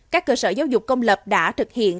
các cơ sở giáo dục công lập đã thực hiện